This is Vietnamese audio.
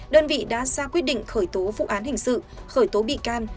đơn vị đã ra quyết định khởi tố vụ án hình sự khởi tố bị can